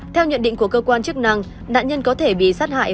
theo nhận định của cơ quan chức năng nạn nhân có thể bị sát hại